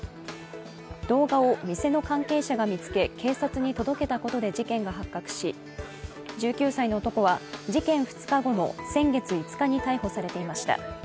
動画を店の関係者が見つけ警察に届けたことで事件が発覚し１９歳の男は事件２日後の先月５日に逮捕されていました。